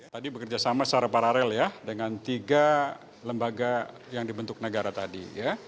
tadi bekerja sama secara paralel ya dengan tiga lembaga yang dibentuk negara tadi